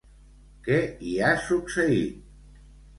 Què hi ha succeït?